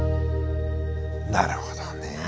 なるほどね。